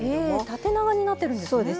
縦長になってるんですね。